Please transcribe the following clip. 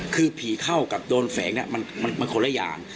คือผีเข้ากับโดนแฝงเนี่ยมันคนละอย่าง